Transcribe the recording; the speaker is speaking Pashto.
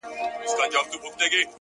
څوك به ګوري پر رحمان باندي فالونه!.